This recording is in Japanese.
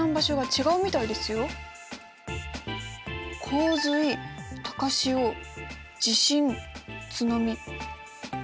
洪水高潮地震津波。